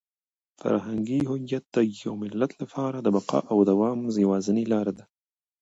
فرهنګي هویت د یو ملت لپاره د بقا او د دوام یوازینۍ لاره ده.